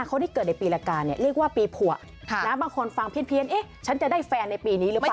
คนที่เกิดในปีละกาเนี่ยเรียกว่าปีผัวบางคนฟังเพี้ยนเอ๊ะฉันจะได้แฟนในปีนี้หรือเปล่า